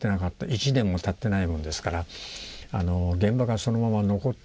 １年もたってないもんですから現場がそのまま残ってまして。